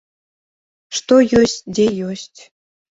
Што ёсць, дзе ёсць!